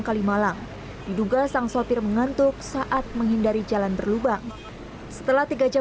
kalimalang diduga sang sopir mengantuk saat menghindari jalan berlubang setelah tiga jam